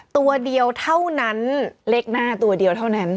ตัวเดียวเท่านั้นเลขหน้าตัวเดียวเท่านั้น